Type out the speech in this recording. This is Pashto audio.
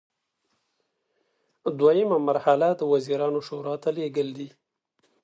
دریمه مرحله د وزیرانو شورا ته لیږل دي.